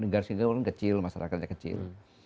negara sini orang kecil masyarakatnya kecil